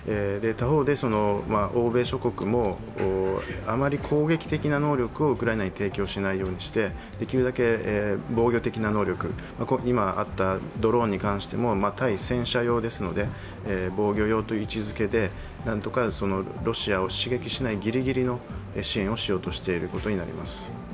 他方で、欧米諸国もあまり攻撃的な能力をウクライナに提供しないようにしてできるだけ防御的な能力、いまあったドローンに対しても対戦車用ですので、防御用と位置づけてなんとかロシアを刺激しないぎりぎりの支援をしようとしていることになります。